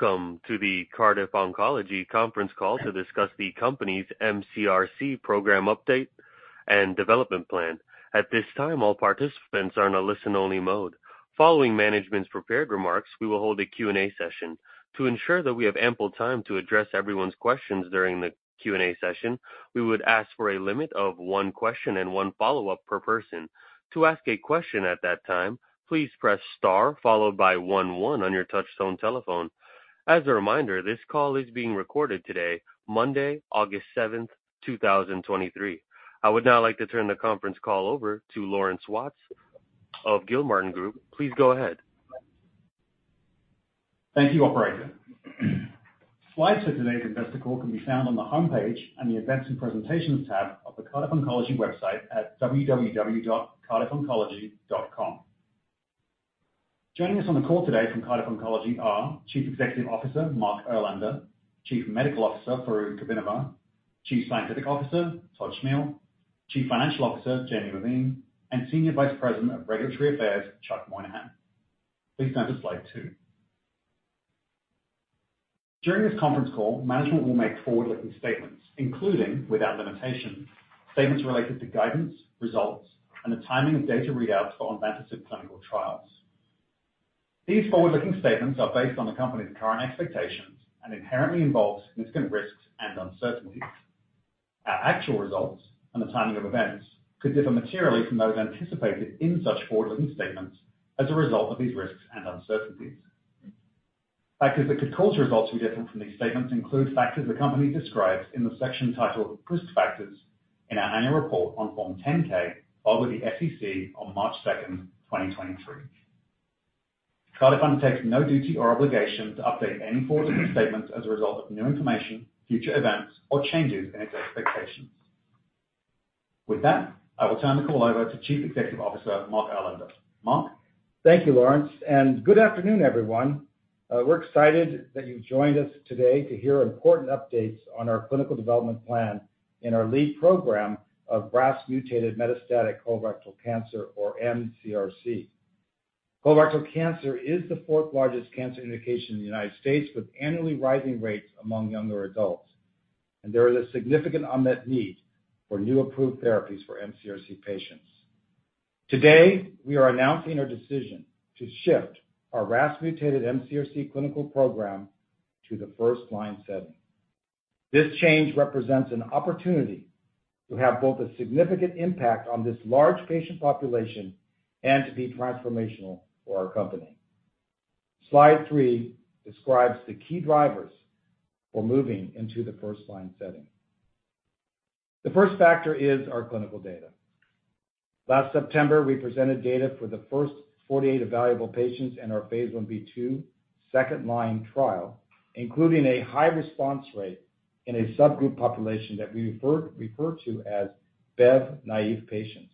Welcome to the Cardiff Oncology conference call to discuss the company's MCRC program update and development plan. At this time, all participants are in a listen-only mode. Following management's prepared remarks, we will hold a Q&A session. To ensure that we have ample time to address everyone's questions during the Q&A session, we would ask for a limit of one question and one follow-up per person. To ask a question at that time, please press star followed by one, one on your touchtone telephone. As a reminder, this call is being recorded today, Monday, August 7, 2023. I would now like to turn the conference call over to Laurence Watts of Gilmartin Group. Please go ahead. Thank you, operator. Slides for today's investor call can be found on the homepage and the Events and Presentations tab of the Cardiff Oncology website at www.cardiffoncology.com. Joining us on the call today from Cardiff Oncology are Chief Executive Officer, Mark Erlander, Chief Medical Officer, Fairooz Kabbinavar, Chief Scientific Officer, Tod Smeal, Chief Financial Officer, Jamie Levine, and Senior Vice President of Regulatory Affairs, Chuck Monahan. Please turn to slide two. During this conference call, management will make forward-looking statements, including, without limitation, statements related to guidance, results, and the timing of data readouts for onvansertib clinical trials. These forward-looking statements are based on the company's current expectations and inherently involve significant risks and uncertainties. Our actual results and the timing of events could differ materially from those anticipated in such forward-looking statements as a result of these risks and uncertainties. Factors that could cause results to be different from these statements include factors the company describes in the section titled "Risk Factors" in our annual report on Form 10-K, filed with the SEC on March 2nd, 2023. Cardiff undertakes no duty or obligation to update any forward-looking statements as a result of new information, future events, or changes in its expectations. With that, I will turn the call over to Chief Executive Officer, Mark Erlander. Mark? Thank you, Laurence, and good afternoon, everyone. We're excited that you've joined us today to hear important updates on our clinical development plan in our lead program of RAS-mutated metastatic colorectal cancer, or mCRC. Colorectal cancer is the fourth largest cancer indication in the United States, with annually rising rates among younger adults, and there is a significant unmet need for new approved therapies for mCRC patients. Today, we are announcing our decision to shift our RAS-mutated mCRC clinical program to the first-line setting. This change represents an opportunity to have both a significant impact on this large patient population and to be transformational for our company. Slide three describes the key drivers for moving into the first-line setting. The first factor is our clinical data. Last September, we presented data for the first 48 evaluable patients in our Phase Ib/II second-line trial, including a high response rate in a subgroup population that we refer to as BEV naive patients.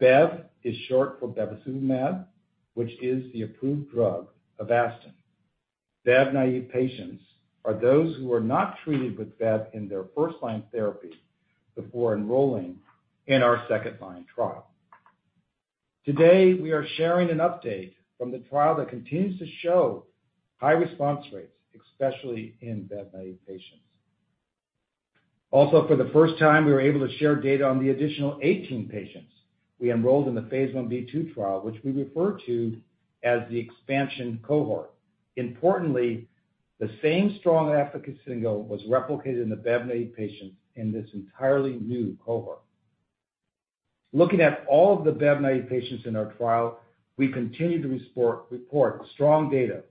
BEV is short for bevacizumab, which is the approved drug Avastin. BEV naive patients are those who are not treated with BEV in their first-line therapy before enrolling in our second-line trial. Today, we are sharing an update from the trial that continues to show high response rates, especially in BEV naive patients. Also, for the first time, we were able to share data on the additional 18 patients we enrolled in the Phase Ib/II trial, which we refer to as the expansion cohort. Importantly, the same strong efficacy signal was replicated in the BEV naive patients in this entirely new cohort. Looking at all of the BEV naive patients in our trial, we continue to report strong data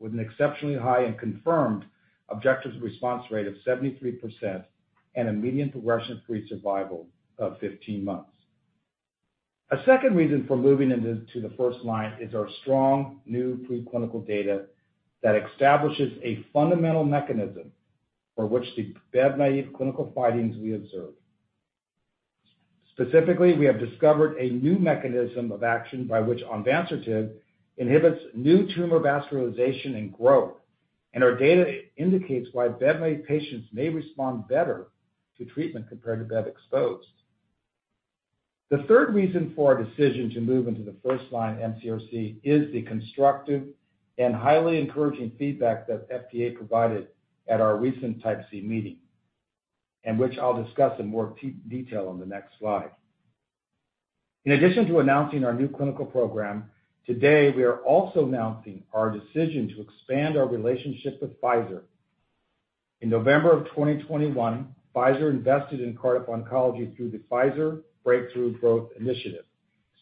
with an exceptionally high and confirmed objective response rate of 73% and a median progression-free survival of 15 months. A second reason for moving into the first line is our strong, new preclinical data that establishes a fundamental mechanism for which the BEV naive clinical findings we observed. Specifically, we have discovered a new mechanism of action by which onvansertib inhibits new tumor vascularization and growth, and our data indicates why BEV naive patients may respond better to treatment compared to BEV exposed. The third reason for our decision to move into the first-line mCRC is the constructive and highly encouraging feedback that FDA provided at our recent Type C meeting, and which I'll discuss in more detail on the next slide. In addition to announcing our new clinical program, today, we are also announcing our decision to expand our relationship with Pfizer. In November of 2021, Pfizer invested in Cardiff Oncology through the Pfizer Breakthrough Growth Initiative,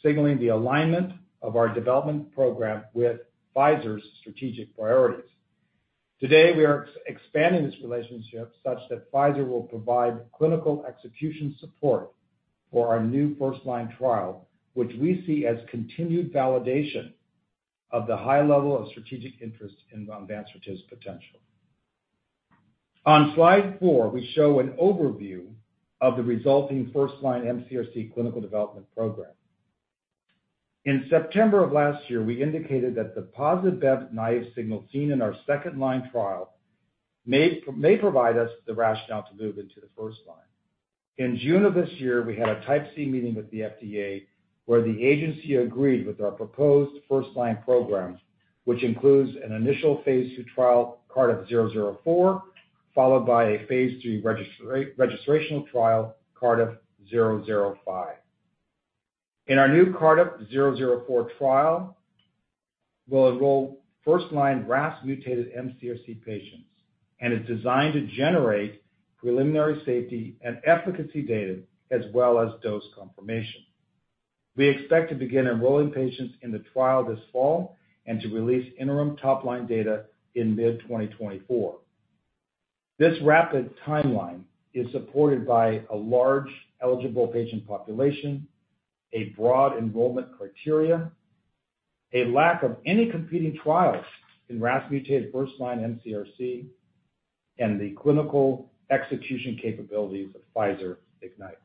signaling the alignment of our development program with Pfizer's strategic priorities. Today, we are expanding this relationship such that Pfizer will provide clinical execution support for our new first-line trial, which we see as continued validation of the high level of strategic interest in onvansertib's potential. On slide four, we show an overview of the resulting first-line mCRC clinical development program. In September of last year, we indicated that the positive BEV naive signal seen in our second-line trial may provide us the rationale to move into the first-line.... In June of this year, we had a Type C meeting with the FDA, where the agency agreed with our proposed first-line program, which includes an initial phase II trial, CRDF-004, followed by a phase III registrational trial, CRDF-005. In our new CRDF-004 trial, we'll enroll first-line RAS-mutated mCRC patients. It's designed to generate preliminary safety and efficacy data, as well as dose confirmation. We expect to begin enrolling patients in the trial this fall and to release interim top-line data in mid 2024. This rapid timeline is supported by a large eligible patient population, a broad enrollment criteria, a lack of any competing trials in RAS-mutated first-line mCRC, and the clinical execution capabilities of Pfizer Ignite.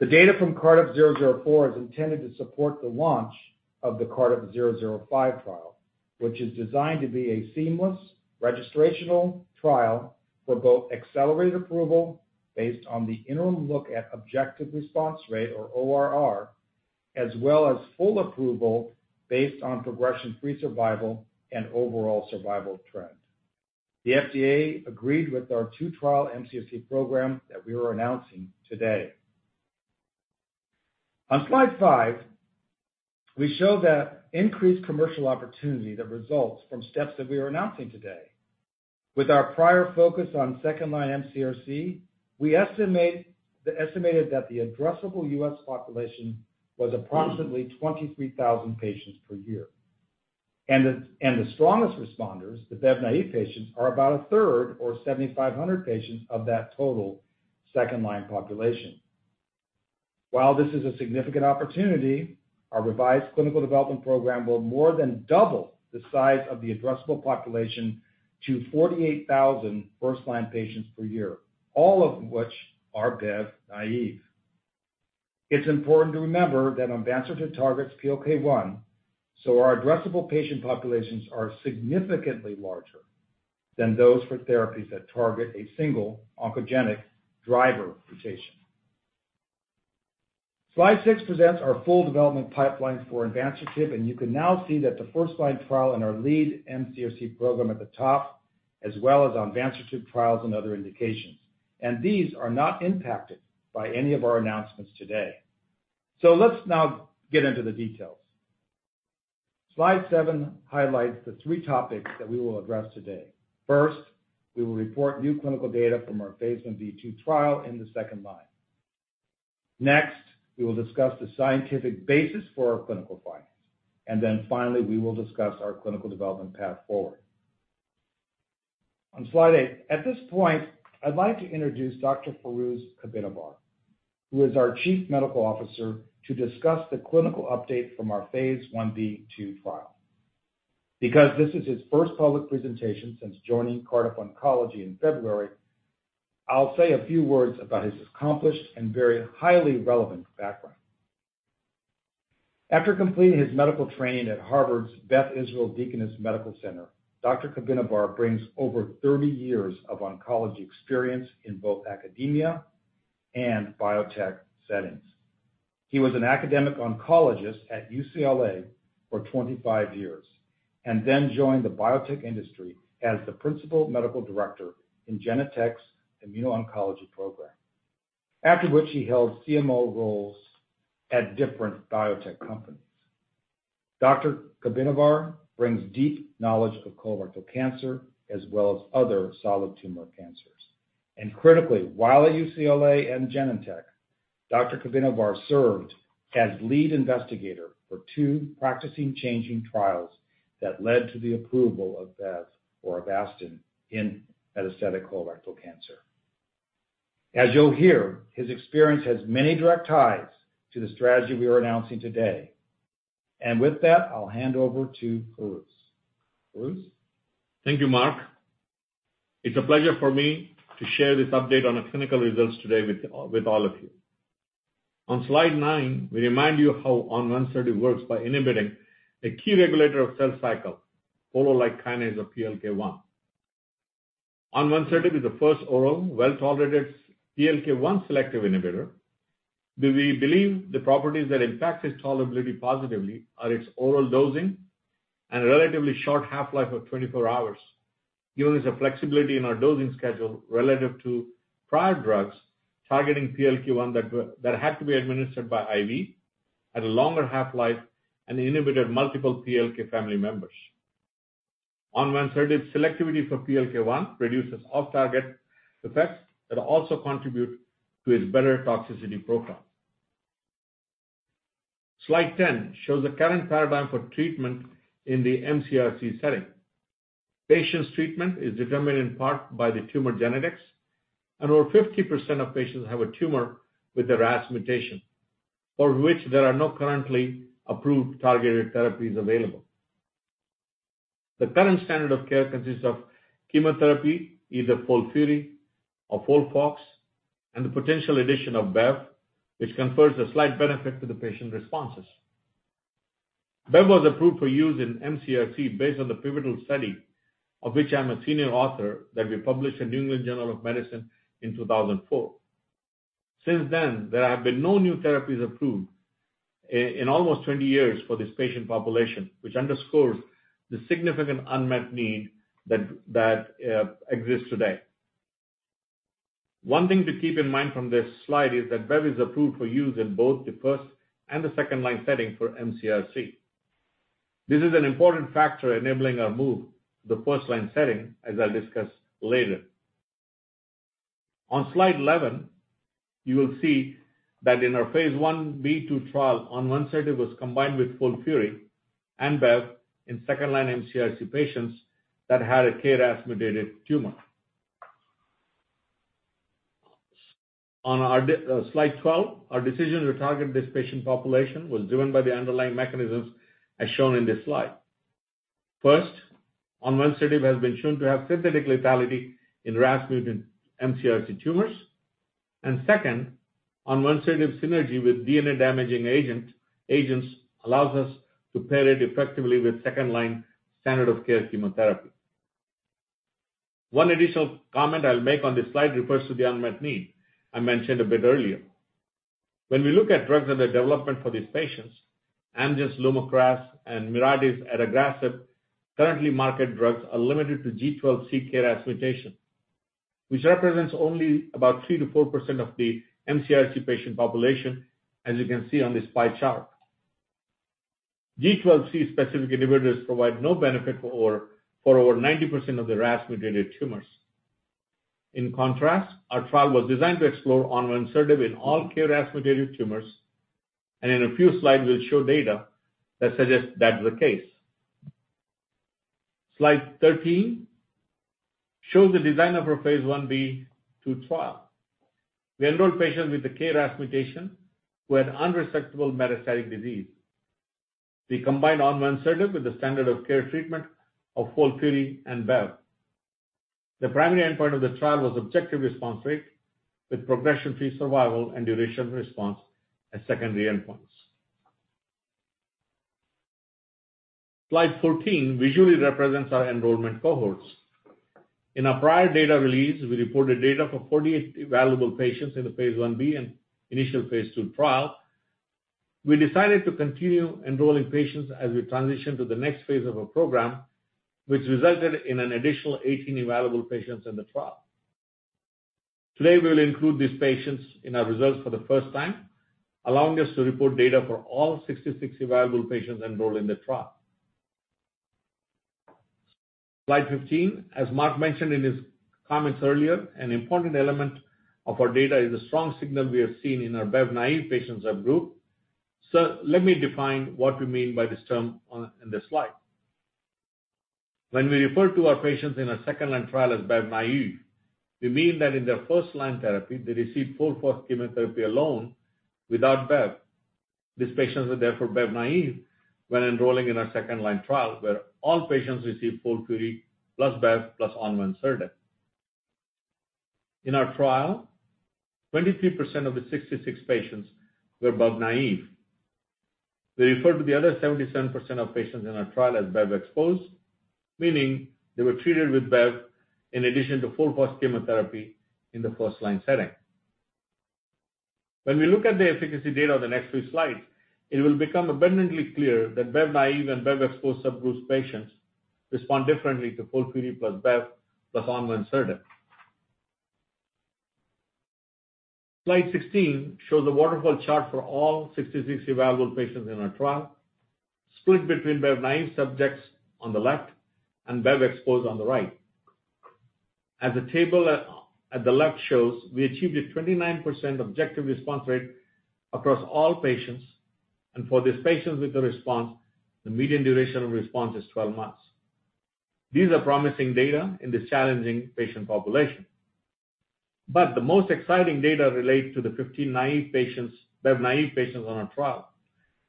The data from CRDF-004 is intended to support the launch of the CRDF-005 trial, which is designed to be a seamless registrational trial for both accelerated approval based on the interim look at objective response rate, or ORR, as well as full approval based on progression-free survival and overall survival trend. The FDA agreed with our two-trial mCRC program that we are announcing today. On slide five, we show that increased commercial opportunity that results from steps that we are announcing today. With our prior focus on second-line mCRC, we estimated that the addressable U.S. population was approximately 23,000 patients per year, and the strongest responders, the BEV naive patients, are about a third or 7,500 patients of that total second-line population. While this is a significant opportunity, our revised clinical development program will more than double the size of the addressable population to 48,000 first-line patients per year, all of which are BEV naive. It's important to remember that onvansertib targets PLK1, so our addressable patient populations are significantly larger than those for therapies that target a single oncogenic driver mutation. Slide six presents our full development pipeline for onvansertib, and you can now see that the first-line trial in our lead mCRC program at the top, as well as onvansertib trials and other indications. These are not impacted by any of our announcements today. Let's now get into the details. Slide seven highlights the three topics that we will address today. First, we will report new clinical data from our phase Ib/II trial in the second line. Next, we will discuss the scientific basis for our clinical findings, and then finally, we will discuss our clinical development path forward. On slide eight, at this point, I'd like to introduce Dr. Fairooz Kabbinavar, who is our Chief Medical Officer, to discuss the clinical update from our phase Ib/II trial. Because this is his first public presentation since joining Cardiff Oncology in February, I'll say a few words about his accomplished and very highly relevant background. After completing his medical training at Harvard's Beth Israel Deaconess Medical Center, Dr. Kabbinavar brings over 30 years of oncology experience in both academia and biotech settings. He was an academic oncologist at UCLA for 25 years and then joined the biotech industry as the principal medical director in Genentech's immuno-oncology program, after which he held CMO roles at different biotech companies. Dr. Kabbinavar brings deep knowledge of colorectal cancer as well as other solid tumor cancers. Critically, while at UCLA and Genentech, Dr. Kabbinavar served as lead investigator for two practicing-changing trials that led to the approval of BEV or Avastin in metastatic colorectal cancer. As you'll hear, his experience has many direct ties to the strategy we are announcing today. With that, I'll hand over to Fairooz. Fairooz? Thank you, Mark. It's a pleasure for me to share this update on the clinical results today with all of you. On slide nine, we remind you how onvansertib works by inhibiting a key regulator of cell cycle, polo-like kinase of PLK1. Onvansertib is the first oral, well-tolerated PLK1 selective inhibitor, that we believe the properties that impact its tolerability positively are its oral dosing and relatively short half-life of 24 hours, giving us a flexibility in our dosing schedule relative to prior drugs targeting PLK1 that had to be administered by IV, had a longer half-life, and inhibited multiple PLK family members. Onvansertib's selectivity for PLK1 reduces off-target effects that also contribute to its better toxicity profile. Slide 10 shows the current paradigm for treatment in the mCRC setting. Patient's treatment is determined in part by the tumor genetics, and over 50% of patients have a tumor with a RAS mutation, for which there are no currently approved targeted therapies available. The current standard of care consists of chemotherapy, either FOLFIRI or FOLFOX, and the potential addition of BEV, which confers a slight benefit to the patient responses. BEV was approved for use in mCRC based on the pivotal study, of which I'm a senior author, that we published in New England Journal of Medicine in 2004. Since then, there have been no new therapies approved in almost 20 years for this patient population, which underscores the significant unmet need that, that, exists today. One thing to keep in mind from this slide is that BEV is approved for use in both the first and the second-line setting for mCRC. This is an important factor enabling our move to the first-line setting, as I'll discuss later. On slide 11, you will see that in our Phase Ib/II trial, onvansertib was combined with FOLFIRI and BEV in second-line mCRC patients that had a KRAS-mutated tumor. On our slide 12, our decision to target this patient population was driven by the underlying mechanisms, as shown in this slide. First, onvansertib has been shown to have synthetic lethality in RAS-mutated mCRC tumors. Second, onvansertib synergy with DNA-damaging agents, allows us to pair it effectively with second-line standard of care chemotherapy. One additional comment I'll make on this slide refers to the unmet need I mentioned a bit earlier. When we look at drugs under development for these patients, Amgen's LUMAKRAS and Mirati's adagrasib, currently market drugs are limited to G12C KRAS mutation, which represents only about 3%-4% of the mCRC patient population, as you can see on this pie chart. G12C-specific inhibitors provide no benefit for over 90% of the RAS-mutated tumors. In contrast, our trial was designed to explore onvansertib in all KRAS-mutated tumors, and in a few slides, we'll show data that suggests that is the case. Slide 13 shows the design of our Phase Ib/II trial. We enrolled patients with a KRAS mutation who had unresectable metastatic disease. We combined onvansertib with the standard of care treatment of FOLFIRI and BEV. The primary endpoint of the trial was objective response rate, with progression-free survival and duration of response as secondary endpoints. Slide 14 visually represents our enrollment cohorts. In our prior data release, we reported data for 48 evaluable patients in the phase Ib and initial phase II trial. We decided to continue enrolling patients as we transition to the next phase of our program, which resulted in an additional 18 evaluable patients in the trial. Today, we'll include these patients in our results for the first time, allowing us to report data for all 66 evaluable patients enrolled in the trial. Slide 15. As Mark mentioned in his comments earlier, an important element of our data is the strong signal we have seen in our BEV naive patient subgroup. Let me define what we mean by this term in this slide. When we refer to our patients in our second-line trial as BEV naive, we mean that in their first-line therapy, they received FOLFIRI chemotherapy alone without BEV. These patients are therefore BEV naive when enrolling in our second-line trial, where all patients receive FOLFIRI, plus BEV, plus onvansertib. In our trial, 23% of the 66 patients were BEV naive. We refer to the other 77% of patients in our trial as BEV exposed, meaning they were treated with BEV in addition to FOLFIRI chemotherapy in the first-line setting. When we look at the efficacy data on the next few slides, it will become abundantly clear that BEV naive and BEV exposed subgroups patients respond differently to FOLFIRI, plus BEV, plus onvansertib. Slide 16 shows a waterfall chart for all 66 evaluable patients in our trial, split between BEV naive subjects on the left and BEV exposed on the right. As the table at the left shows, we achieved a 29% objective response rate across all patients, and for these patients with a response, the median duration of response is 12 months. These are promising data in this challenging patient population. The most exciting data relate to the 15 naive patients, BEV-naive patients on our trial.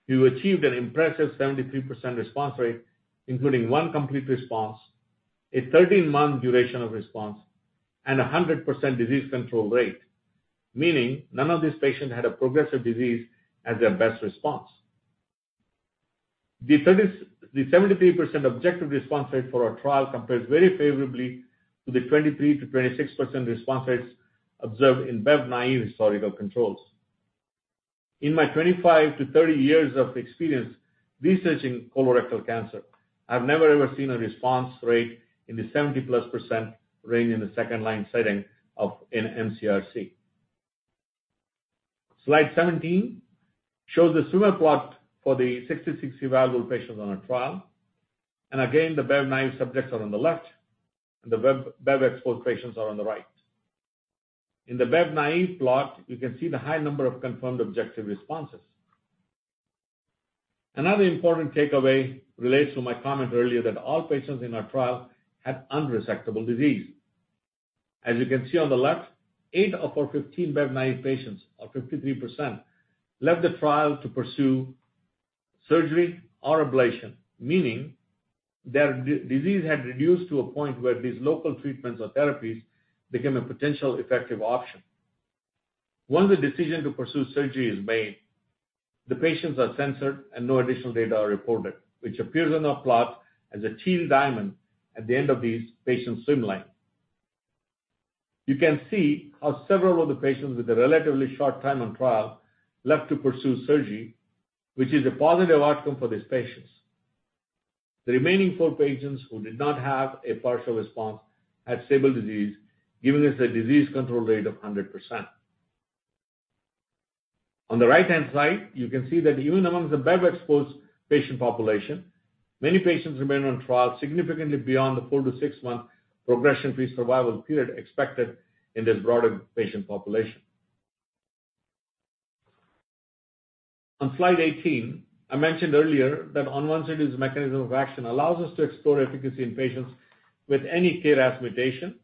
We achieved an impressive 73% response rate, including one complete response, a 13-month duration of response, and a 100% disease control rate, meaning none of these patients had a progressive disease as their best response. The 73% objective response rate for our trial compares very favorably to the 23%-26% response rates observed in BEV-naive historical controls. In my 25-30 years of experience researching colorectal cancer, I've never, ever seen a response rate in the 70%+ percent range in the second-line setting of an mCRC. Slide 17 shows the swimmer plot for the 66 evaluable patients on our trial. Again, the BEV naive subjects are on the left, and the BEV, BEV exposed patients are on the right. In the BEV naive plot, you can see the high number of confirmed objective responses. Another important takeaway relates to my comment earlier that all patients in our trial had unresectable disease. As you can see on the left, eight of our 15 BEV naive patients, or 53%, left the trial to pursue surgery or ablation, meaning their disease had reduced to a point where these local treatments or therapies became a potential effective option. once the decision to pursue surgery is made, the patients are censored, and no additional data are reported, which appears on the plot as a teal diamond at the end of these patient swim lanes. You can see how several of the patients with a relatively short time on trial left to pursue surgery, which is a positive outcome for these patients. The remaining four patients who did not have a partial response had stable disease, giving us a disease control rate of 100%. On the right-hand side, you can see that even among the BEV-exposed patient population, many patients remained on trial significantly beyond the four-six month progression-free survival period expected in this broader patient population. On slide 18, I mentioned earlier that onvansertib's mechanism of action allows us to explore efficacy in patients with any KRAS mutation.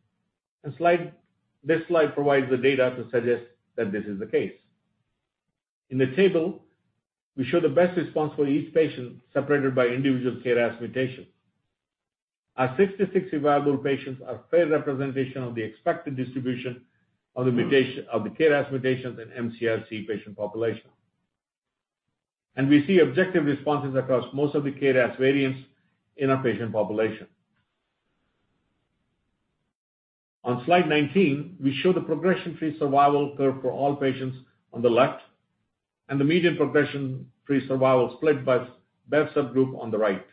This slide provides the data to suggest that this is the case. In the table, we show the best response for each patient, separated by individual KRAS mutation. Our 66 evaluable patients are fair representation of the KRAS mutations in mCRC patient population. We see objective responses across most of the KRAS variants in our patient population. On slide 19, we show the progression-free survival curve for all patients on the left and the median progression-free survival split by BEV subgroup on the right.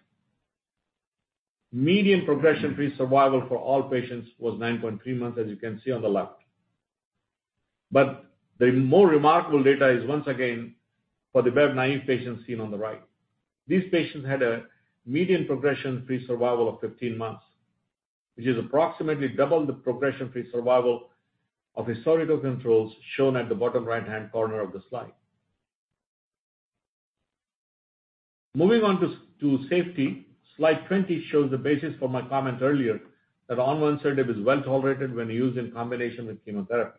Median progression-free survival for all patients was 9.3 months, as you can see on the left. The more remarkable data is once again for the BEV naive patients seen on the right. These patients had a median progression-free survival of 15 months, which is approximately double the progression-free survival of historical controls shown at the bottom right-hand corner of the slide. Moving on to, to safety, slide 20 shows the basis for my comments earlier that onvansertib is well tolerated when used in combination with chemotherapy.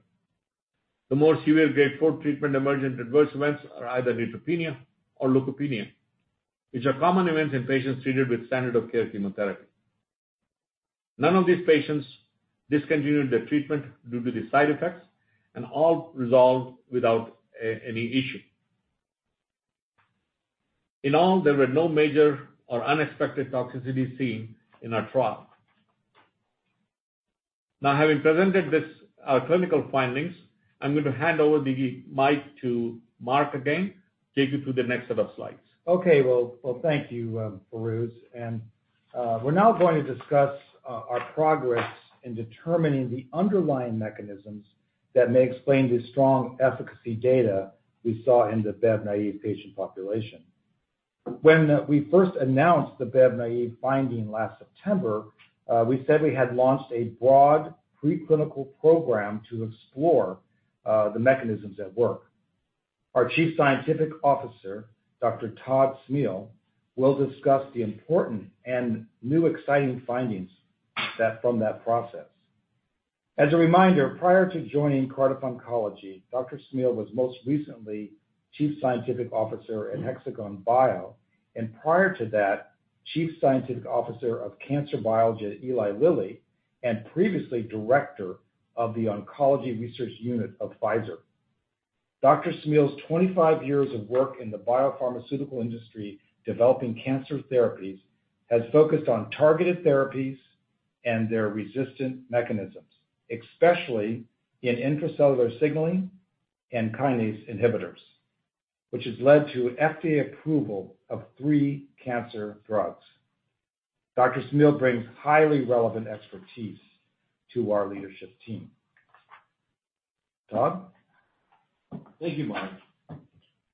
The more severe grade four treatment emergent adverse events are either neutropenia or leukopenia, which are common events in patients treated with standard of care chemotherapy. None of these patients discontinued their treatment due to the side effects, and all resolved without any issue. In all, there were no major or unexpected toxicity seen in our trial. Now, having presented this, our clinical findings, I'm going to hand over the mic to Mark again, take you through the next set of slides. Okay. Well, well, thank you, Fairooz. We're now going to discuss our progress in determining the underlying mechanisms that may explain the strong efficacy data we saw in the BEV-naive patient population. When we first announced the BEV-naive finding last September, we said we had launched a broad preclinical program to explore the mechanisms at work. Our Chief Scientific Officer, Dr. Tod Smeal, will discuss the important and new exciting findings from that process. As a reminder, prior to joining Cardiff Oncology, Dr. Smeal was most recently Chief Scientific Officer at Hexagon Bio, and prior to that, Chief Scientific Officer of Cancer Biology at Eli Lilly, and previously Director of the Oncology Research Unit of Pfizer. Dr. Smeal's 25 years of work in the biopharmaceutical industry, developing cancer therapies, has focused on targeted therapies and their resistant mechanisms, especially in intracellular signaling and kinase inhibitors, which has led to FDA approval of thre cancer drugs. Dr. Smeal brings highly relevant expertise to our leadership team. Tod? Thank you, Mark.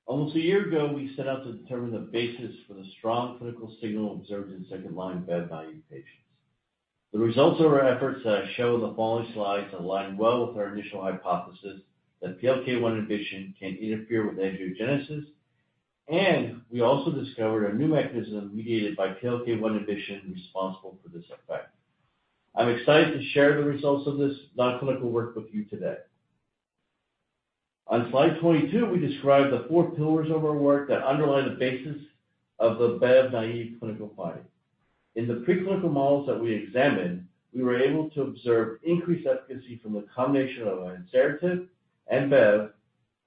Almost a year ago, we set out to determine the basis for the strong clinical signal observed in second-line BEV-naive patients. The results of our efforts show in the following slides align well with our initial hypothesis that PLK1 inhibition can interfere with angiogenesis. We also discovered a new mechanism mediated by PLK1 inhibition responsible for this effect. I'm excited to share the results of this non-clinical work with you today. On slide 22, we describe the four pillars of our work that underlie the basis of the BEV-naive clinical finding. In the preclinical models that we examined, we were able to observe increased efficacy from the combination of onvansertib and BEV,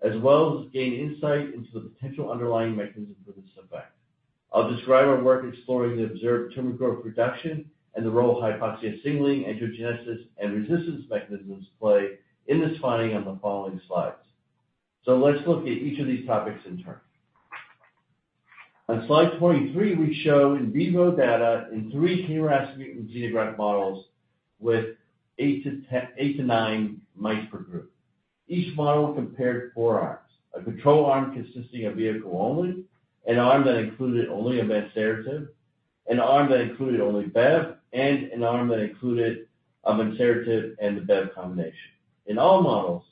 as well as gain insight into the potential underlying mechanism for this effect. I'll describe our work exploring the observed tumor growth reduction and the role hypoxia signaling, angiogenesis, and resistance mechanisms play in this finding on the following slides. Let's look at each of these topics in turn. On slide 23, we show in vivo data in three KRAS mutant xenograft models with eight to nine mice per group. Each model compared four arms, a control arm consisting of vehicle only, an arm that included only onvansertib, an arm that included only BEV, and an arm that included onvansertib and the BEV combination. In all models,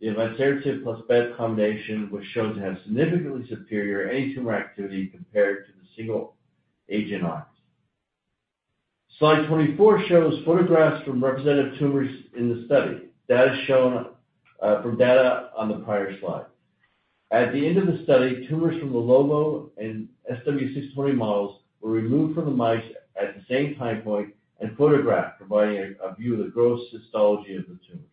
the onvansertib plus BEV combination was shown to have significantly superior anti-tumor activity compared to the single agent arms. Slide 24 shows photographs from representative tumors in the study. Data shown from data on the prior slide. At the end of the study, tumors from the LoVo and SW620 models were removed from the mice at the same time point and photographed, providing a view of the gross histology of the tumors.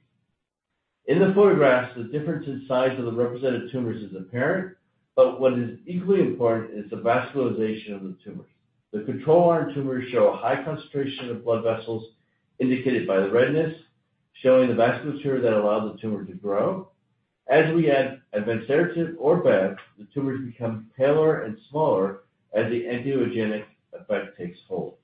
In the photographs, the difference in size of the represented tumors is apparent, what is equally important is the vascularization of the tumors. The control arm tumors show a high concentration of blood vessels indicated by the redness, showing the vasculature that allowed the tumor to grow. As we add onvansertib or BEV, the tumors become paler and smaller as the angiogenic effect takes hold.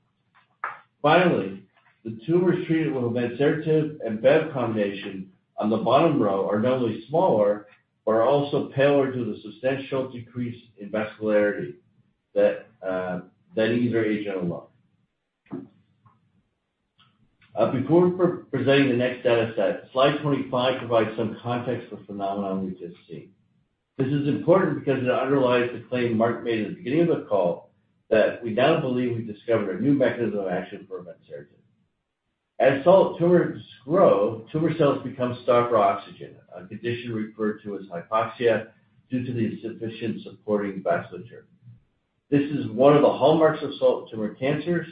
The tumors treated with onvansertib and BEV combination on the bottom row are not only smaller, but are also paler due to the substantial decrease in vascularity that than either agent alone. Before presenting the next dataset, slide 25 provides some context for the phenomenon we've just seen. This is important because it underlies the claim Mark made at the beginning of the call, that we now believe we've discovered a new mechanism of action for onvansertib. As solid tumors grow, tumor cells become starved for oxygen, a condition referred to as hypoxia, due to the insufficient supporting vasculature. This is one of the hallmarks of solid tumor cancers.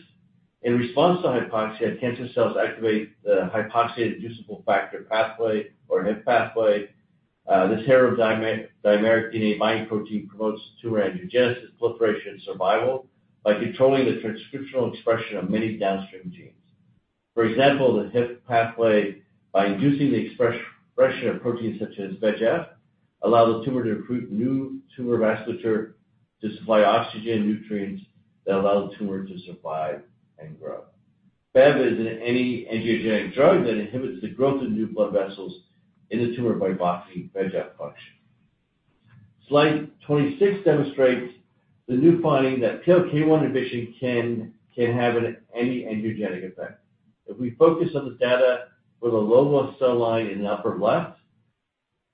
In response to hypoxia, cancer cells activate the hypoxia-inducible factor pathway, or HIF pathway. This heterodimeric DNA binding protein promotes tumor angiogenesis, proliferation, and survival by controlling the transcriptional expression of many downstream genes. For example, the HIF pathway, by inducing the expression of proteins such as VEGF, allow the tumor to recruit new tumor vasculature to supply oxygen, nutrients that allow the tumor to survive and grow. BEV is an anti-angiogenic drug that inhibits the growth of new blood vessels in the tumor by blocking VEGF function. Slide 26 demonstrates the new finding that PLK1 inhibition can have an anti-angiogenic effect. If we focus on the data for the LoVo cell line in the upper left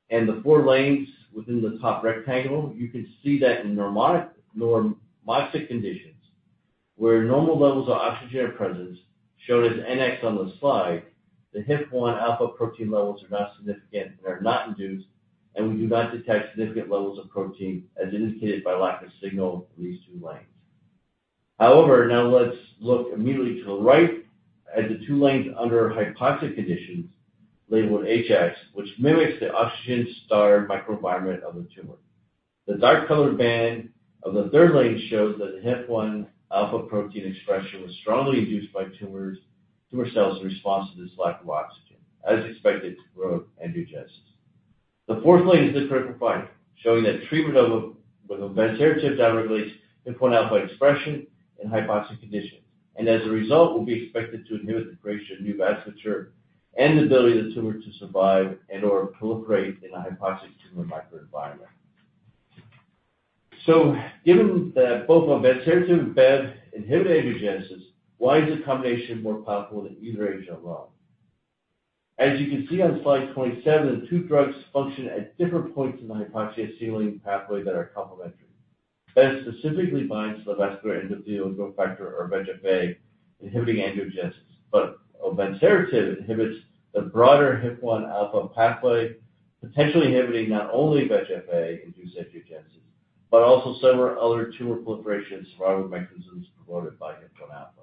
and the four lanes within the top rectangle, you can see that in normoxic conditions, where normal levels of oxygen are present, shown as NX on the slide, the HIF-1 alpha protein levels are not significant and are not induced, and we do not detect significant levels of protein, as indicated by lack of signal in these two lanes. Now let's look immediately to the right at the two lanes under hypoxic conditions, labeled HX, which mimics the oxygen-starved microenvironment of the tumor. The dark-colored band of the third lane shows that HIF-1 alpha protein expression was strongly induced by tumors, tumor cells in response to this lack of oxygen, as expected to grow angiogenesis. The fourth lane is the critical finding, showing that treatment of with onvansertib directly HIF-1 alpha expression in hypoxic conditions, and as a result, will be expected to inhibit the creation of new vasculature and the ability of the tumor to survive and/or proliferate in a hypoxic tumor microenvironment. Given that both onvansertib and BEV inhibit angiogenesis, why is the combination more powerful than either agent alone? As you can see on slide 27, the two drugs function at different points in the hypoxia signaling pathway that are complementary. BEV specifically binds the vascular endothelial growth factor, or VEGF-A, inhibiting angiogenesis. Onvansertib inhibits the broader HIF-1 alpha pathway, potentially inhibiting not only VEGF-A induced angiogenesis, but also several other tumor proliferation and survival mechanisms promoted by HIF-1 alpha.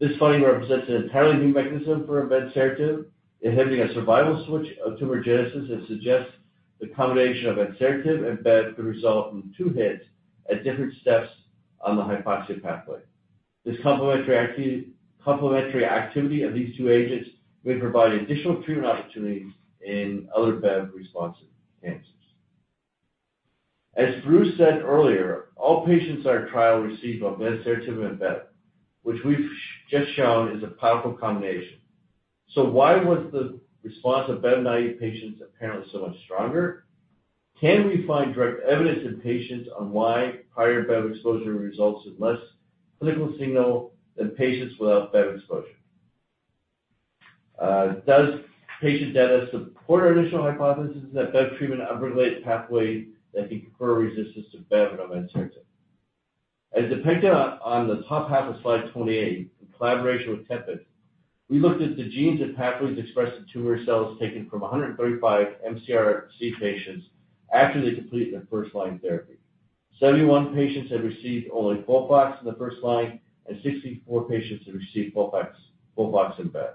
This finding represents an entirely new mechanism for onvansertib, inhibiting a survival switch of tumor genesis and suggests the combination of onvansertib and BEV could result from two hits at different steps on the hypoxia pathway. This complementary activity of these two agents may provide additional treatment opportunities in other BEV-responsive cancers. As Bruce said earlier, all patients in our trial received onvansertib and BEV, which we've just shown is a powerful combination. Why was the response of BEV-naive patients apparently so much stronger? Can we find direct evidence in patients on why higher BEV exposure results in less clinical signal than patients without BEV exposure? Does patient data support our initial hypothesis that BEV treatment upregulated pathways that confer resistance to BEV and onvansertib? As depicted on the top half of slide 28, in collaboration with Tempus, we looked at the genes and pathways expressed in tumor cells taken from 135 mCRC patients after they completed their first-line therapy. 71 patients had received only FOLFOX in the first line, and 64 patients had received FOLFOX, FOLFOX and BEV.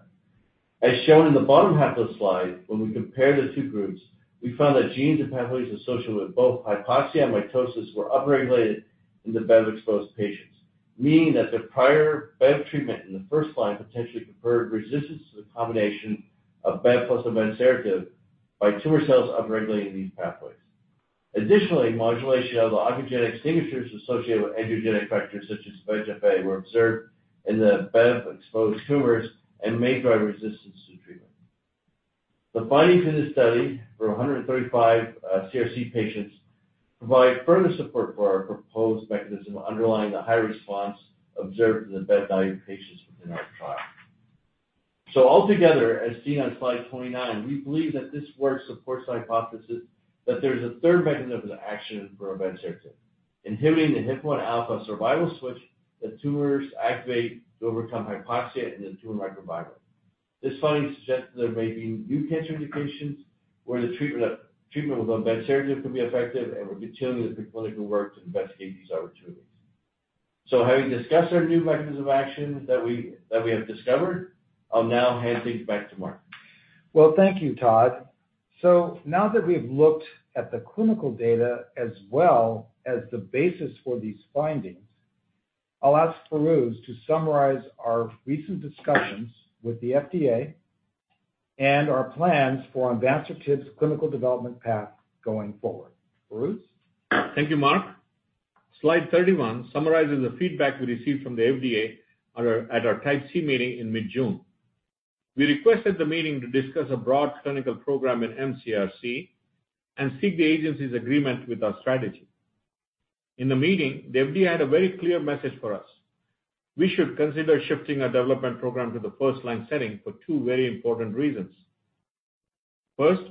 As shown in the bottom half of the slide, when we compare the two groups, we found that genes and pathways associated with both hypoxia and mitosis were upregulated in the BEV-exposed patients, meaning that the prior BEV treatment in the first line potentially conferred resistance to the combination of BEV plus onvansertib by tumor cells upregulating these pathways. Additionally, modulation of the oncogenic signatures associated with angiogenic factors such as VEGF-A, were observed in the BEV-exposed tumors and may drive resistance to treatment. The findings in this study for 135 CRC patients provide further support for our proposed mechanism underlying the high response observed in the BEV-naive patients within our trial. Altogether, as seen on slide 29, we believe that this work supports the hypothesis that there is a third mechanism of action for onvansertib, inhibiting the HIF-1 alpha survival switch that tumors activate to overcome hypoxia in the tumor microenvironment. This finding suggests that there may be new cancer indications where the treatment of, treatment with onvansertib could be effective, and we're continuing with preclinical work to investigate these opportunities. Having discussed our new mechanisms of action that we, that we have discovered, I'll now hand things back to Mark. Well, thank you, Tod. Now that we've looked at the clinical data as well as the basis for these findings, I'll ask Fairooz to summarize our recent discussions with the FDA and our plans for onvansertib's clinical development path going forward. Fairooz? Thank you, Mark. Slide 31 summarizes the feedback we received from the FDA on our, at our Type C meeting in mid-June. We requested the meeting to discuss a broad clinical program in be and seek the agency's agreement with our strategy. In the meeting, the FDA had a very clear message for us. We should consider shifting our development program to the first-line setting for two very important reasons. First,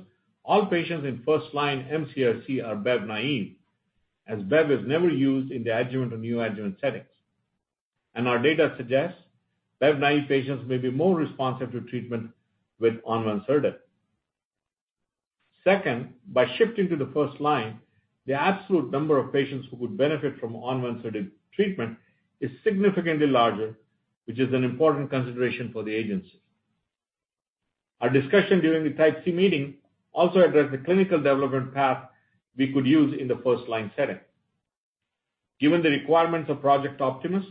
all patients in first-line mCRC are BEV-naive, as BEV is never used in the adjuvant or neoadjuvant settings. Our data suggests BEV-naive patients may be more responsive to treatment with onvansertib. Second, by shifting to the first line, the absolute number of patients who would benefit from onvansertib treatment is significantly larger, which is an important consideration for the agency. Our discussion during the Type C meeting also addressed the clinical development path we could use in the first-line setting. Given the requirements of Project Optimus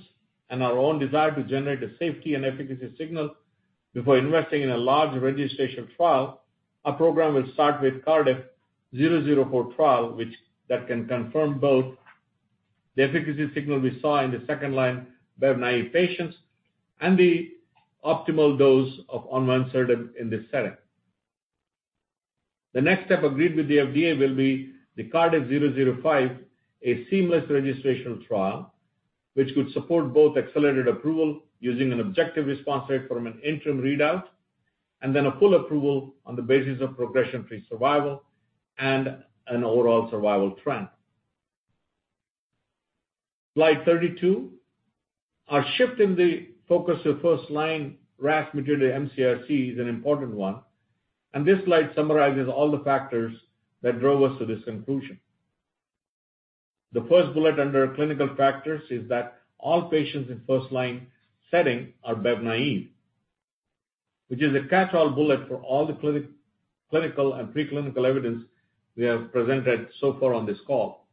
and our own desire to generate a safety and efficacy signal before investing in a large registration trial, our program will start with CRDF-004 trial, which can confirm both the efficacy signal we saw in the second-line BEV naive patients and the optimal dose of onvansertib in this setting. The next step agreed with the FDA will be the CRDF-005, a seamless registration trial, which could support both accelerated approval using an objective response rate from an interim readout, then a full approval on the basis of progression-free survival and an overall survival trend. Slide 32. Our shift in the focus to first-line RAS-mutated mCRC is an important one. This slide summarizes all the factors that drove us to this conclusion. The first bullet under clinical factors is that all patients in first-line setting are BEV-naive, which is a catch-all bullet for all the clinical and preclinical evidence we have presented so far on this call.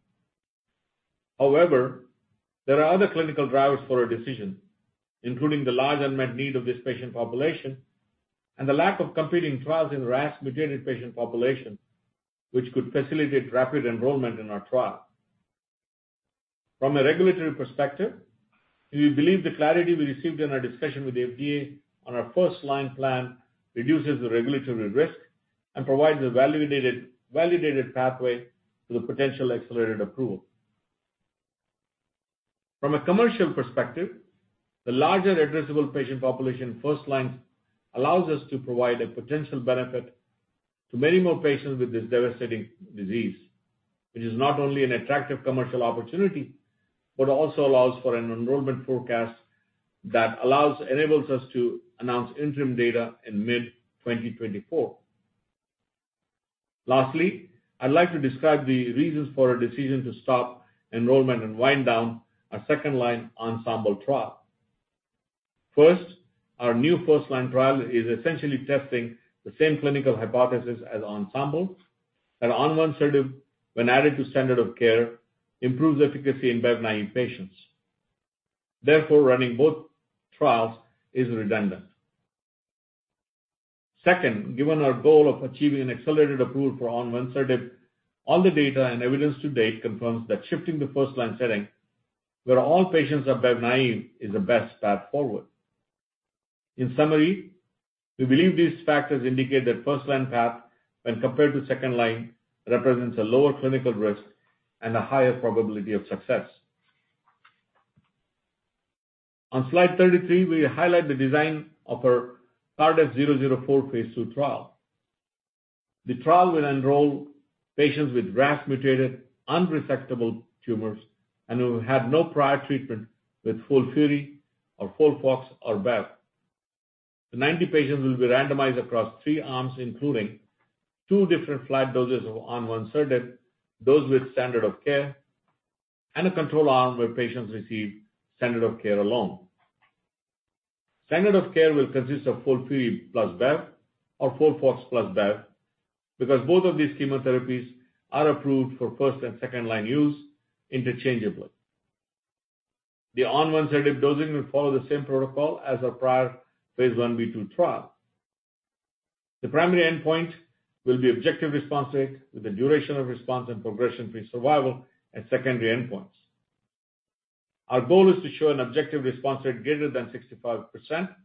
However, there are other clinical drivers for a decision, including the large unmet need of this patient population and the lack of competing trials in RAS-mutated patient population, which could facilitate rapid enrollment in our trial. From a regulatory perspective, we believe the clarity we received in our discussion with the FDA on our first-line plan reduces the regulatory risk and provides a validated, validated pathway to the potential accelerated approval. From a commercial perspective, the larger addressable patient population first-line allows us to provide a potential benefit to many more patients with this devastating disease, which is not only an attractive commercial opportunity, but also allows for an enrolment forecast enables us to announce interim data in mid-2024. Lastly, I'd like to describe the reasons for our decision to stop enrollment and wind down our second-line ENSEMBLE trial. First, our new first-line trial is essentially testing the same clinical hypothesis as ENSEMBLE, that onvansertib, when added to standard of care, improves efficacy in BEV naive patients. Therefore, running both trials is redundant. Second, given our goal of achieving an accelerated approval for onvansertib, all the data and evidence to date confirms that shifting the first-line setting, where all patients are BEV naive, is the best path forward. In summary, we believe these factors indicate that first-line path, when compared to second line, represents a lower clinical risk and a higher probability of success. On slide 33, we highlight the design of our CRDF-004 Phase II trial. The trial will enroll patients with RAS-mutated, unresectable tumors and who have had no prior treatment with FOLFIRI or FOLFOX or BEV. The 90 patients will be randomized across three arms, including two different flat doses of onvansertib, those with standard of care, and a control arm, where patients receive standard of care alone. Standard of care will consist of FOLFIRI plus BEV or FOLFOX plus BEV, because both of these chemotherapies are approved for first and second-line use interchangeably. The onvansertib dosing will follow the same protocol as our prior Phase Ib/II trial. The primary endpoint will be objective response rate, with the duration of response and progression-free survival and secondary endpoints. Our goal is to show an objective response rate greater than 65%.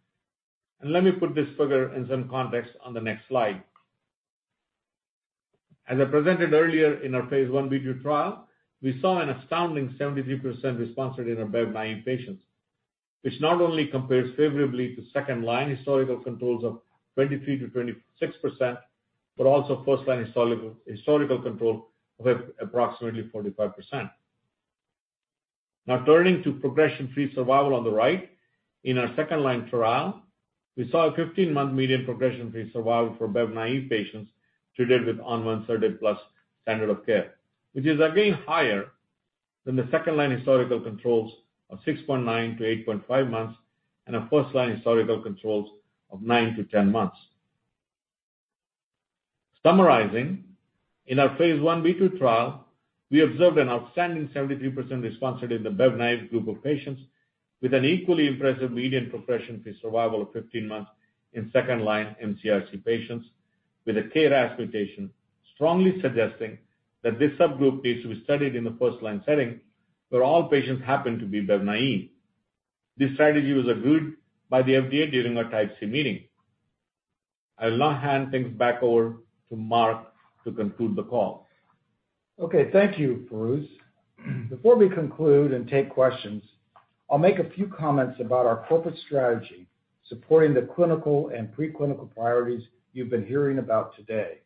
Let me put this figure in some context on the next slide. As I presented earlier in our phase Ib/II trial, we saw an astounding 73% response rate in our BEV-naive patients, which not only compares favorably to second-line historical controls of 23%-26%, but also first-line historical control of approximately 45%. Turning to progression-free survival on the right, in our second-line trial, we saw a 15-month median progression-free survival for BEV-naive patients treated with onvansertib plus standard of care, which is, again, higher than the second-line historical controls of 6.9-8.5 months, and our first-line historical controls of nine-10 months. Summarizing, in our Phase Ib/II trial, we observed an outstanding 73% response rate in the BEV-naive group of patients with an equally impressive median progression-free survival of 15 months in second-line mCRC patients, with a KRAS mutation strongly suggesting that this subgroup needs to be studied in the first-line setting, where all patients happen to be BEV-naive. This strategy was approved by the FDA during our Type C meeting. I will now hand things back over to Mark to conclude the call. Okay, thank you, Fairooz. Before we conclude and take questions, I'll make a few comments about our corporate strategy supporting the clinical and preclinical priorities you've been hearing about today.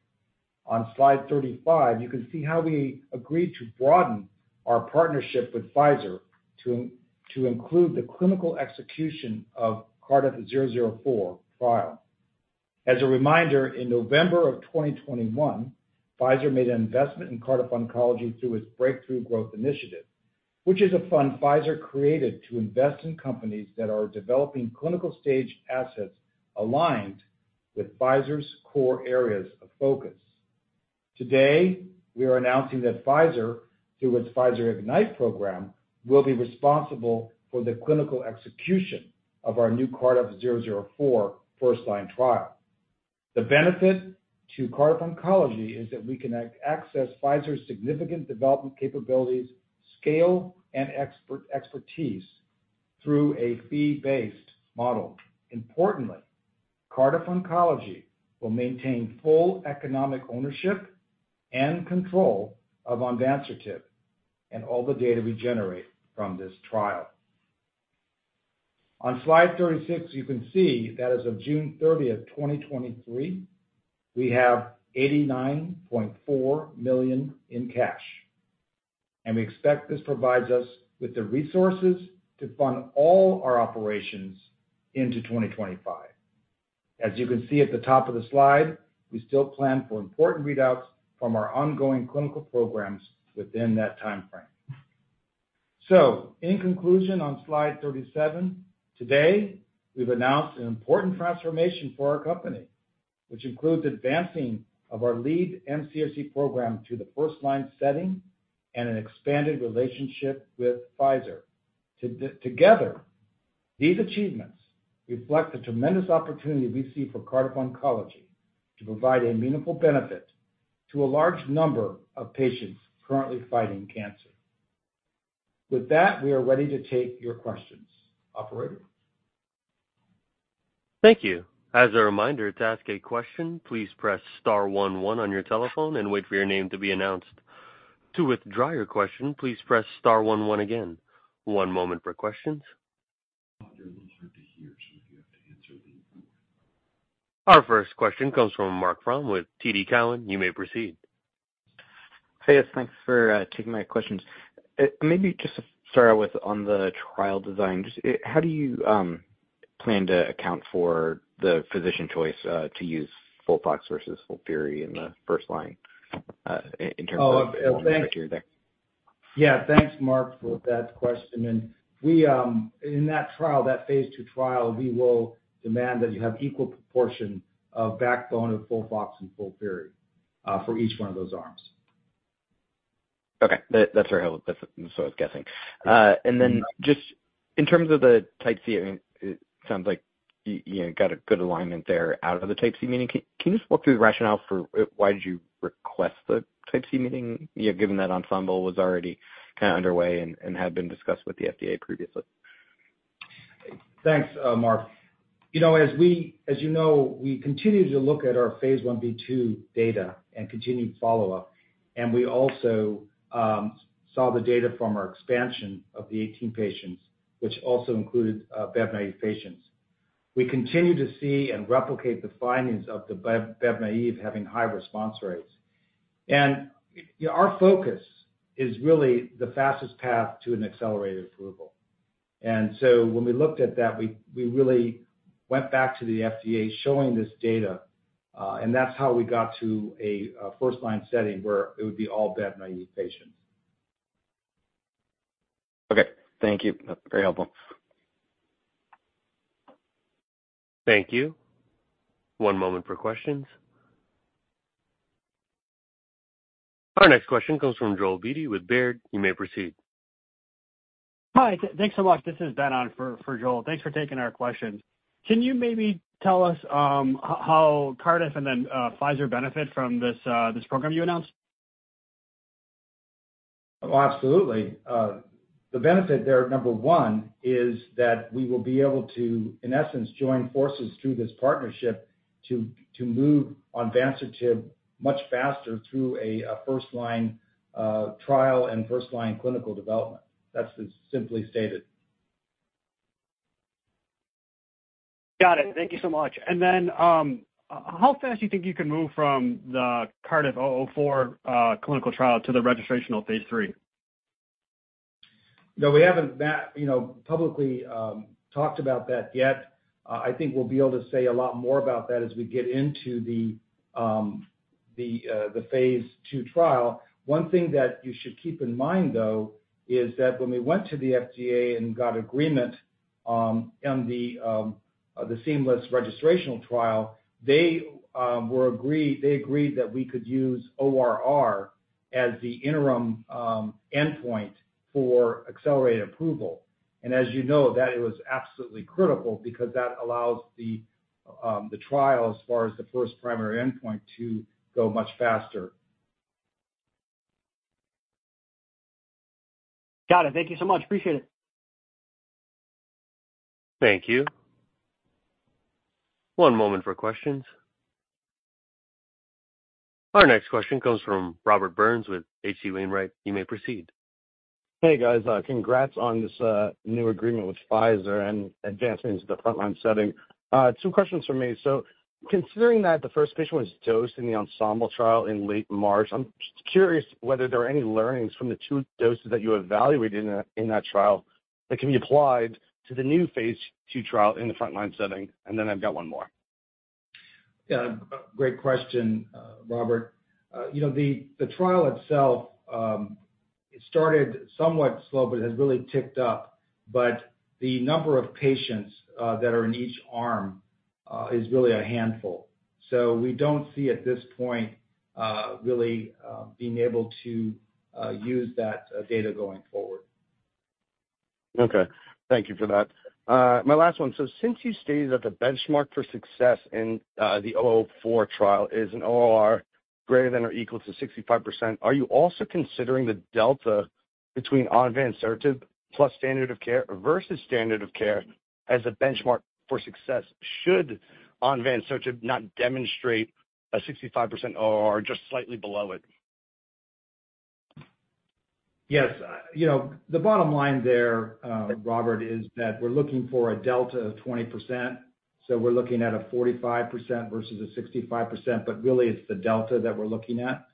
On slide 35, you can see how we agreed to broaden our partnership with Pfizer to include the clinical execution of Cardiff's CRDF-004 trial. As a reminder, in November of 2021, Pfizer made an investment in Cardiff Oncology through its Breakthrough Growth Initiative, which is a fund Pfizer created to invest in companies that are developing clinical-stage assets aligned with Pfizer's core areas of focus. Today, we are announcing that Pfizer, through its Pfizer Ignite program, will be responsible for the clinical execution of our new Cardiff CRDF-004 first-line trial. The benefit to Cardiff Oncology is that we can access Pfizer's significant development capabilities, scale, and expertise through a fee-based model. Importantly, Cardiff Oncology will maintain full economic ownership and control of onvansertib and all the data we generate from this trial. On slide 36, you can see that as of June 30, 2023, we have $89.4 million in cash, and we expect this provides us with the resources to fund all our operations into 2025. As you can see at the top of the slide, we still plan for important readouts from our ongoing clinical programs within that timeframe. In conclusion, on slide 37, today, we've announced an important transformation for our company, which includes advancing of our lead mCRC program to the first-line setting and an expanded relationship with Pfizer. Together, these achievements reflect the tremendous opportunity we see for Cardiff Oncology to provide immunical benefit to a large number of patients currently fighting cancer. With that, we are ready to take your questions. Operator? Thank you. As a reminder, to ask a question, please press star one one on your telephone and wait for your name to be announced. To withdraw your question, please press star one one again. One moment for questions. Our first question comes from Marc Frahm with TD Cowen. You may proceed. Hey, yes, thanks for taking my questions. Maybe to start out with on the trial design, how do you plan to account for the physician choice to use FOLFOX versus FOLFIRI in the first line, in terms of-? Oh, thanks- criteria? Yeah, thanks, Marc, for that question. We, in that trial, that phase II trial, we will demand that you have equal proportion of backbone of FOLFOX and FOLFIRI, for each one of those arms. Okay, that, that's very helpful. That's what I was guessing. And then just in terms of the Type C, I mean, it sounds like you, you know, got a good alignment there out of the Type C meeting. Can, can you just walk through the rationale for, why did you request the Type C meeting, you know, given that ONSEMBLE was already kind of underway and, and had been discussed with the FDA previously? Thanks, Marc. You know, as you know, we continued to look at our phase Ib/II data and continued follow-up, and we also saw the data from our expansion of the 18 patients, which also included bev-naive patients. We continue to see and replicate the findings of the bev, bev-naive having high response rates. You know, our focus is really the fastest path to an accelerated approval. When we looked at that, we, we really went back to the FDA showing this data, and that's how we got to a first-line setting where it would be all bev-naive patients. Okay. Thank you. That's very helpful. Thank you. One moment for questions. Our next question comes from Joel Beatty with Baird. You may proceed. Hi, thanks so much. This is Ben on for, for Joel. Thanks for taking our questions. Can you maybe tell us, how Cardiff and then, Pfizer benefit from this, this program you announced? Oh, absolutely. The benefit there, number one, is that we will be able to, in essence, join forces through this partnership to, to move onvansertib much faster through a first-line trial and first-line clinical development. That's simply stated. Got it. Thank you so much. Then, how fast do you think you can move from the CRDF-004 clinical trial to the registrational Phase III? No, we haven't that, you know, publicly talked about that yet. I think we'll be able to say a lot more about that as we get into the phase II trial. One thing that you should keep in mind, though, is that when we went to the FDA and got agreement on the seamless registrational trial, they agreed that we could use ORR as the interim endpoint for accelerated approval. As you know, that it was absolutely critical because that allows the trial as far as the first primary endpoint, to go much faster. Got it. Thank you so much. Appreciate it. Thank you. One moment for questions. Our next question comes from Robert Burns with H.C. Wainwright. You may proceed. Hey, guys, congrats on this new agreement with Pfizer and advancement into the frontline setting. Two questions from me. Considering that the first patient was dosed in the ONSEMBLE trial in late March, I'm curious whether there are any learnings from the two doses that you evaluated in that trial, that can be applied to the new phase II trial in the frontline setting, and then I've got one more. Yeah, great question, Robert. You know, the, the trial itself, it started somewhat slow, but has really ticked up. The number of patients, that are in each arm, is really a handful. We don't see at this point, really, being able to, use that data going forward. Okay. Thank you for that. My last one, since you stated that the benchmark for success in the 004 trial is an ORR greater than or equal to 65%, are you also considering the delta between onvansertib plus standard of care versus standard of care as a benchmark for success should onvansertib not demonstrate a 65% ORR, just slightly below it? Yes. You know, the bottom line there, Robert, is that we're looking for a delta of 20%, so we're looking at a 45% versus a 65%, but really it's the delta that we're looking at.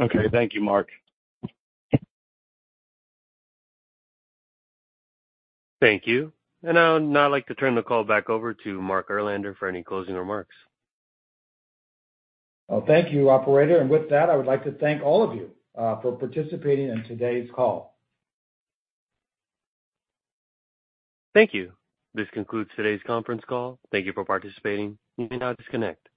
Okay. Thank you, Mark. Thank you. I would now like to turn the call back over to Mark Erlander for any closing remarks. Well, thank you, operator, and with that, I would like to thank all of you, for participating in today's call. Thank you. This concludes today's conference call. Thank you for participating. You may now disconnect.